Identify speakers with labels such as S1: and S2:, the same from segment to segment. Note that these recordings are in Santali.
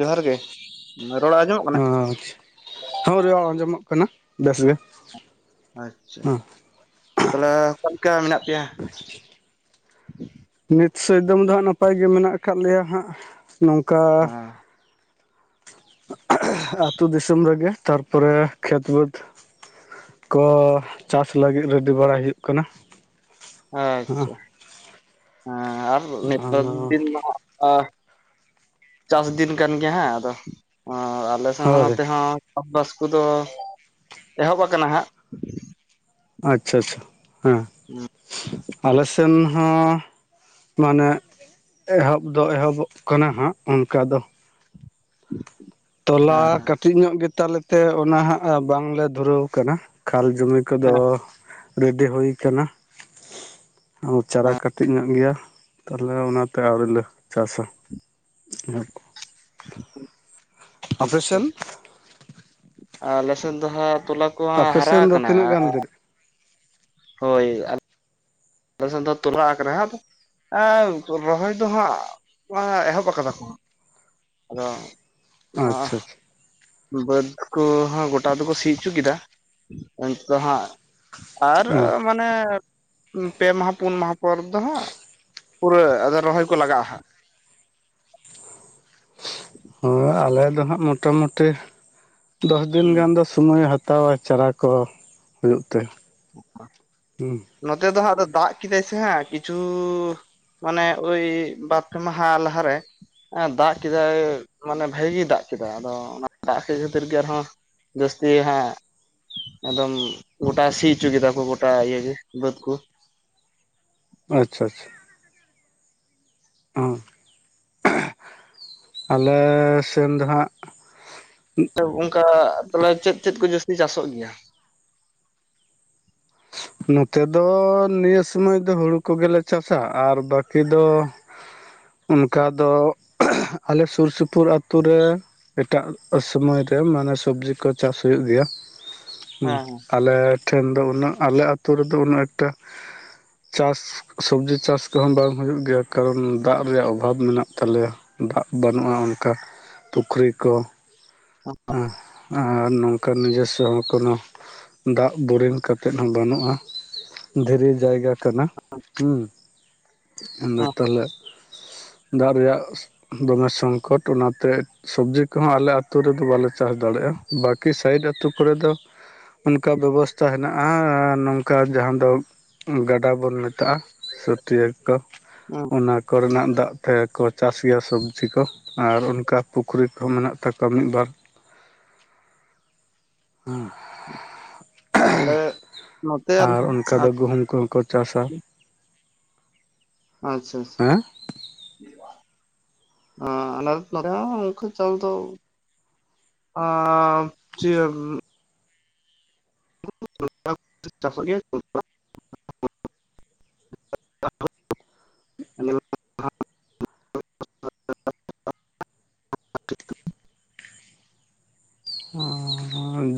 S1: ᱡᱚᱦᱟᱨ ᱜᱮ ᱨᱚᱲ ᱟᱸᱡᱚᱢᱚᱜ ᱠᱟᱱᱟ
S2: ᱟᱪᱪᱷᱟ [unintelligible] ᱦᱳ ᱨᱮᱣᱟ ᱟᱸᱡᱚᱢᱚᱜ ᱠᱟᱱᱟ ᱵᱮᱥ ᱜᱮ
S1: ᱟᱪᱪᱷᱟ
S2: ᱦᱮᱸ
S1: ᱛᱟᱞᱦᱮ ᱚᱠᱟ ᱞᱮᱠᱟ ᱢᱮᱱᱟᱜ ᱯᱮᱭᱟ
S2: ᱱᱤᱛ ᱥᱮᱫ ᱫᱚᱢ ᱫᱚ ᱦᱟᱸᱜ ᱱᱟᱯᱟᱭ ᱜᱮ ᱢᱮᱱᱟᱜ ᱟᱠᱟᱫ ᱞᱮᱭᱟ ᱦᱟᱸᱜ ᱱᱚᱝᱠᱟ
S1: ᱦᱮᱸ
S2: ᱟᱹᱛᱩ ᱫᱤᱥᱚᱢ ᱨᱮᱜᱮ ᱛᱟᱨᱯᱚᱨᱮ ᱠᱷᱮᱛ ᱵᱟᱹᱫᱽ ᱠᱚ ᱪᱟᱥ ᱞᱟᱹᱜᱤᱫ ᱨᱮᱰᱤ ᱵᱟᱲᱟᱭ ᱦᱩᱭᱩᱜ ᱠᱟᱱᱟ ᱦᱮᱸ
S1: ᱟᱪᱪᱷᱟ ᱦᱮᱸ ᱟᱨ ᱱᱤᱛᱟᱨ
S2: ᱟᱫᱚ
S1: ᱫᱤᱱ ᱢᱟ ᱪᱟᱥ ᱫᱤᱱ ᱠᱟᱱ ᱜᱮᱭᱟ ᱦᱟᱸᱜ ᱟᱫᱚ ᱟᱞᱮ ᱥᱮᱱ ᱦᱚᱸ
S2: ᱦᱳᱭ
S1: ᱱᱚᱛᱮ ᱦᱚᱸ ᱪᱟᱥ ᱵᱟᱥ ᱠᱚᱫᱚ ᱮᱦᱚᱵ ᱟᱠᱟᱱᱟ ᱦᱟᱸᱜ
S2: ᱟᱪᱪᱷᱟ ᱟᱪᱪᱷᱟ ᱦᱮᱸ
S1: ᱦᱩᱸ
S2: ᱟᱞᱮ ᱥᱮᱱ ᱦᱚᱸ ᱢᱟᱱᱮ ᱮᱦᱚᱵ ᱫᱚ ᱮᱦᱚᱵᱚᱜ ᱠᱟᱱᱟ ᱦᱟᱸᱜ ᱚᱱᱠᱟ ᱫᱚ
S1: ᱦᱩᱸ [unintelligible]
S2: ᱛᱚᱞᱟ ᱠᱟᱹᱴᱤᱡ ᱧᱚᱜ ᱜᱮ ᱛᱟᱞᱮ ᱛᱮ ᱚᱱᱟ ᱦᱟᱸᱜ ᱵᱟᱝ ᱞᱮ ᱫᱷᱩᱨᱟᱹᱣ ᱟᱠᱟᱱᱟ ᱠᱷᱟᱞ ᱡᱚᱢᱤ ᱠᱚᱫᱚ
S1: ᱦᱮᱸ
S2: ᱨᱮᱰᱤ ᱦᱩᱭ ᱠᱟᱱᱟ ᱟ ᱪᱟᱨᱟ ᱠᱟᱹᱴᱤᱡ ᱧᱚᱜ ᱜᱮᱭᱟ ᱛᱟᱦᱞᱮ ᱚᱱᱟᱛᱮ ᱟᱹᱣᱨᱤ ᱞᱮ ᱪᱟᱥᱟ ᱚᱱᱟ ᱠᱚ
S1: ᱦ [unintelligible]
S2: ᱟᱯᱮ ᱥᱮᱱ
S1: ᱟᱞᱮ ᱥᱮᱫ ᱫᱚ ᱦᱟᱸᱜ ᱛᱚᱞᱟ ᱠᱚᱦᱟᱸᱜ ᱦᱟᱨᱟ
S2: ᱟᱯᱮᱥᱮᱱ ᱫᱚ
S1: ᱟᱠᱟᱱᱟ
S2: ᱛᱤᱱᱟᱹᱜ ᱜᱟᱱ ᱫᱤᱱ
S1: ᱦᱳᱭ ᱟᱞᱮ ᱥᱮᱱ ᱫᱚ ᱛᱚᱞᱟ ᱟᱠᱟᱱᱟ, ᱨᱚᱦᱚᱭ ᱫᱚ ᱦᱟᱸᱜ ᱮᱦᱚᱵ ᱠᱟᱫᱟ ᱠᱚ ᱟᱫᱚ
S2: ᱟᱪᱪᱷᱟ ᱟᱪᱷᱟ
S1: ᱵᱟᱹᱫᱽ ᱠᱚᱦᱚᱸ ᱜᱚᱴᱟ ᱫᱚᱠᱚ ᱥᱤ ᱩᱪᱩ ᱠᱮᱫᱟ ᱮᱱᱛᱮᱜ ᱦᱟᱸᱜ ᱟᱨ
S2: ᱟᱪᱪᱷᱟ
S1: ᱢᱟᱱᱮ ᱯᱮ ᱢᱟᱦᱟ ᱯᱩᱱ ᱢᱟᱦᱟ ᱯᱚᱨ ᱫᱚ ᱦᱟᱸᱜ ᱯᱩᱨᱟᱹ ᱟᱫᱚ ᱨᱚᱦᱚᱭ ᱠᱚ ᱞᱟᱜᱟᱜ-ᱟ ᱦᱟᱸᱜ
S2: ᱦᱮᱸ ᱟᱞᱮ ᱫᱚ ᱦᱟᱸᱜ ᱢᱚᱴᱟ ᱢᱩᱴᱤ ᱫᱚᱥ ᱫᱤᱱ
S1: ᱦᱟᱸᱜ
S2: ᱜᱟᱱ ᱫᱚ ᱥᱳᱢᱚᱭ ᱦᱟᱛᱟᱣᱟ ᱪᱟᱨᱟ ᱠᱚ ᱦᱩᱭᱩᱜ ᱛᱮ
S1: ᱚᱠᱟ [unintelligible]
S2: ᱦᱩᱸ
S1: ᱱᱚᱛᱮ ᱫᱚ ᱦᱟᱸᱜ ᱟᱫᱚ ᱫᱟᱜ ᱠᱮᱫᱟᱭ ᱥᱮ ᱦᱮ ᱠᱤᱪᱷᱩ ᱢᱟᱱᱮ ᱳᱭ ᱵᱟᱨ ᱯᱮ ᱢᱟᱦᱟ ᱞᱟᱦᱟᱨᱮ ᱫᱟᱜ ᱠᱮᱫᱟᱭ ᱢᱟᱱᱮ ᱵᱷᱟᱜᱤ ᱫᱟᱜ ᱠᱮᱫᱟᱭ ᱟᱫᱚ ᱚᱱᱟ ᱫᱟᱜ ᱠᱷᱟᱹᱛᱤᱨ ᱜᱮ ᱟᱨᱦᱚᱸ ᱡᱟᱹᱥᱛᱤ ᱦᱟᱸᱜ ᱮᱠᱫᱚᱢ ᱜᱚᱴᱟ ᱥᱤ ᱩᱪᱩ ᱠᱮᱫᱟ ᱠᱚ ᱜᱚᱴᱟ ᱤᱭᱧᱹ ᱜᱮ ᱵᱟᱹᱫᱽ ᱠᱚ
S2: ᱟᱪᱪᱷᱟ ᱟᱪᱪᱷᱟ ᱚ ᱟᱞᱮ ᱥᱮᱱ ᱫᱚ ᱦᱟᱸᱜ
S1: ᱚᱱᱠᱟ ᱛᱚᱞᱮ ᱪᱮᱫ ᱪᱮᱫ ᱠᱚ ᱡᱟᱹᱥᱛᱤ ᱪᱟᱹᱥᱚᱜ ᱜᱮᱭᱟ
S2: ᱱᱚᱛᱮ ᱫᱚ ᱱᱤᱭᱟᱹ ᱥᱩᱢᱟᱹᱭ ᱫᱚ ᱦᱩᱲᱩ ᱠᱚᱜᱮᱞᱮ ᱪᱟᱥᱟ ᱟᱨ ᱵᱟᱹᱠᱤ ᱥᱳᱢᱳᱭ ᱫᱚ ᱚᱱᱠᱟ ᱫᱚ ᱟᱞᱮ ᱥᱩᱨ ᱥᱩᱯᱩᱨ ᱟᱛᱳ ᱨᱮ ᱮᱴᱟᱜ ᱠᱚ ᱥᱚᱢᱚᱭ ᱨᱮ ᱢᱟᱱᱮ ᱥᱚᱵᱡᱤ ᱠᱚ ᱪᱟᱥ ᱦᱳᱭᱳᱜ ᱜᱮᱭᱟ ᱦᱩᱸ
S1: ᱦᱮᱸ
S2: ᱟᱞᱮ ᱴᱷᱮᱱ ᱫᱚ ᱩᱱᱟᱹᱜ ᱟᱞᱮ ᱟᱛᱩ ᱨᱮᱫᱚ ᱩᱱᱟᱹᱜ ᱮᱠᱴᱟ ᱪᱟᱥ ᱥᱚᱵᱡᱤ ᱪᱟᱥ ᱠᱚᱦᱚᱸ ᱵᱟᱝ ᱦᱩᱭᱩᱜ ᱜᱮᱭᱟ ᱠᱟᱨᱚᱱ ᱫᱟᱜ ᱨᱮᱭᱟᱜ ᱚᱵᱷᱟᱵ ᱢᱮᱱᱟᱜ ᱛᱟᱞᱮᱭᱟ ᱫᱟᱜ ᱵᱟᱹᱱᱩᱜ-ᱟ ᱚᱱᱠᱟ ᱯᱩᱠᱷᱨᱤ ᱠᱚ
S1: ᱚᱻ
S2: ᱟᱨ ᱱᱚᱝᱠᱟ ᱱᱤᱡᱮᱥᱥᱚ ᱦᱚᱸ ᱠᱳᱱᱳ ᱫᱟᱜ ᱵᱳᱨᱤᱝ ᱠᱟᱛ ᱛᱮᱫ ᱦᱚᱸ ᱵᱟᱹᱱᱩᱜ-ᱟ, ᱫᱷᱤᱨᱤ ᱡᱟᱭᱜᱟ ᱠᱟᱱᱟ ᱟᱫᱚ
S1: ᱦᱮᱸ
S2: ᱛᱟᱞᱦᱮ ᱫᱟᱜ ᱨᱮᱭᱟᱜ ᱫᱚᱢᱮ ᱥᱚᱝᱠᱚᱴ ᱚᱱᱟᱛᱮ ᱥᱚᱵᱽᱡᱤ ᱠᱚᱦᱚᱸ ᱟᱞᱮ ᱟᱹᱛᱩ ᱨᱮᱫᱚ ᱵᱟᱞᱮ ᱪᱟᱥ ᱫᱟᱲᱮᱜ-ᱟ ᱵᱟᱠᱤ ᱥᱟᱭᱤᱰ ᱟᱛᱩ ᱠᱚᱨᱮ ᱫᱚ ᱚᱱᱠᱟ ᱵᱮᱵᱚᱥᱛᱟ ᱦᱮᱱᱟᱜ ᱟᱸ ᱟᱨ ᱱᱚᱝᱠᱟ ᱡᱟᱦᱟᱸᱱ ᱫᱚ ᱜᱟᱰᱟ ᱵᱚᱱ ᱢᱮᱛᱟᱜ-ᱟ ᱥᱚᱴᱤᱭ ᱠᱚ
S1: ᱦᱮᱸ
S2: ᱚᱱᱟ ᱠᱚᱨᱮᱱᱟᱜ ᱫᱟᱜ ᱛᱮ ᱠᱚ ᱪᱟᱥ ᱜᱮᱭᱟ ᱥᱚᱵᱽᱡᱤ ᱠᱚ ᱟᱨ ᱚᱱᱠᱟ ᱯᱩᱠᱷᱨᱤ ᱠᱚ ᱢᱮᱱᱟᱜ ᱛᱟᱠᱚᱣᱟ ᱢᱤᱫ, ᱵᱟᱨ ᱟᱻ
S1: ᱟᱞᱮ ᱱᱚᱛᱮ ᱟᱞᱮ
S2: ᱟᱨ ᱚᱱᱠᱟ ᱫᱚ ᱜᱩᱦᱩᱢ ᱠᱚᱦᱚᱸ ᱠᱚ ᱪᱟᱥ-ᱟ
S1: ᱟᱪᱪᱷᱟ
S2: ᱦᱮᱸ
S1: ᱟᱻᱟᱞᱮ ᱱᱚᱛᱮ ᱨᱮ ᱦᱚᱸ ᱚᱱᱠᱟ ᱪᱟᱥ ᱫᱚ ᱟᱸ ᱪᱮᱜ [inaudible]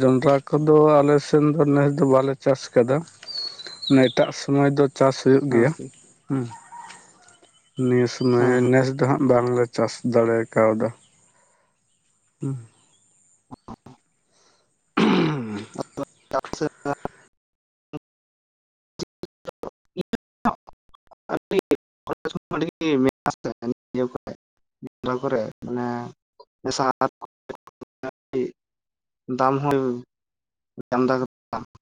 S2: ᱡᱚᱱᱰᱨᱟ ᱠᱚᱫᱚ ᱟᱞᱮ ᱥᱮᱱ ᱫᱚ ᱱᱮᱥ ᱫᱚ ᱵᱟᱞᱮ ᱪᱟᱥ ᱠᱟᱫᱟ ᱢᱟᱱᱮ ᱮᱴᱟᱜ ᱥᱚᱢᱚᱭ ᱫᱚ ᱪᱟᱥ ᱦᱩᱭᱩᱜ ᱜᱮᱭᱟ ᱦᱩᱸ ᱱᱤᱭᱟᱹ ᱥᱩᱢᱟᱹᱭ
S1: ᱦᱮᱸ ᱦᱮᱸ
S2: ᱱᱮᱥ ᱫᱚ ᱦᱟᱸᱜ ᱵᱟᱝᱞᱮ ᱪᱟᱥ ᱫᱟᱲᱮ ᱟᱠᱟᱣᱫᱟ ᱦᱩᱸ ᱩᱸᱦᱩᱻ
S1: [inaudible] [inaudible] [inaudible] ᱠᱚᱨᱮ ᱢᱟᱱᱮ ᱟᱨ ᱫᱟᱢ ᱦᱚᱸ ᱟᱢᱫᱟ ᱠᱟᱛ